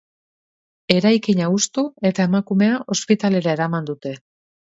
Eraikina hustu eta emakumea ospitalera eraman dute.